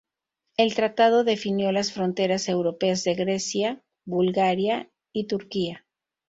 El Tratado definió las fronteras europeas de Grecia, Bulgaria y Turquía.